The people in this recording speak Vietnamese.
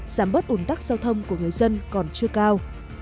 giảm bớt ủn tắc giao thông của người dân còn chưa cao